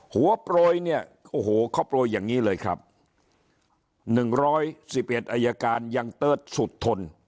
โปรยเนี่ยโอ้โหเขาโปรยอย่างนี้เลยครับ๑๑๑อายการยังเติร์ดสุดทน